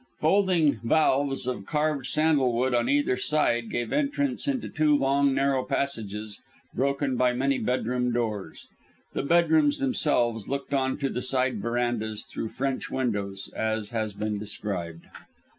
Folding valves of carved sandalwood on either side gave entrance into two long narrow passages, broken by many bedroom doors. The bedrooms themselves looked on to the side verandahs through French windows, as has been described.